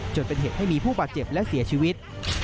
จนเป็นเหตุให้มีผู้บาดเจ็บและเสียชีวิต